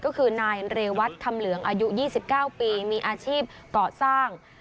ก็คือนายเรวัตคำเหลืองอายุ๒๙ปีมีอาชีพเกาะสร้าง